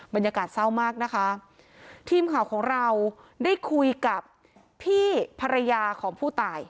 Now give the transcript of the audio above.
บรรยากาศเศร้ามากนะคะทีมข่าวของเราได้คุยกับพี่ภรรยาของผู้ตาย